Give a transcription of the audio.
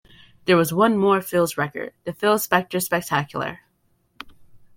There was "one more" Philles record, The Phil Spector Spectacular.